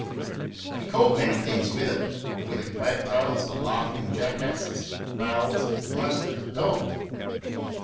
He caught many things with it willie wagtails, laughing jackasses, fowls, and mostly the dog.